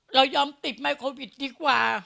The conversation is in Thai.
เรายอมติดไม้โควิดดีกว่า